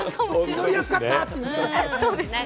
祈りやすかった！っていうね。